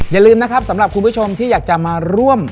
อย่าลืมนะครับสำหรับคุณผู้ชมที่อยากจะมาร่วม